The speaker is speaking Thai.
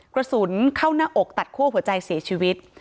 กระสุนเข้าหน้าอกตัดคั่วหัวใจเสียชีวิต